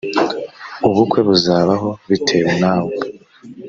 ubukwe buzabaho bitewe nawe